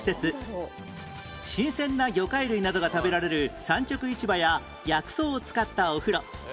新鮮な魚介類などが食べられる産直市場や薬草を使ったお風呂